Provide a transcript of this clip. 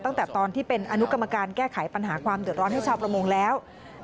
ตั้งแต่ตอนที่เป็นอนุกรรมการแก้ไขปัญหาความเดือดร้อนให้ชาวประมงแล้ว